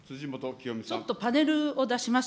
ちょっとパネルを出します。